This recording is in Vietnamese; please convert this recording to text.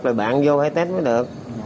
rồi bạn vô hay test mới được